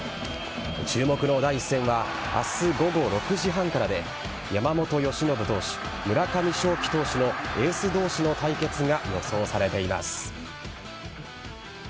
注目の第１戦は明日午後６時半からで山本由伸投手村上頌樹投手のエース同士の対決が予想されています。